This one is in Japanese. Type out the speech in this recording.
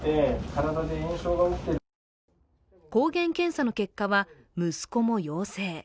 抗原検査の結果は息子も陽性。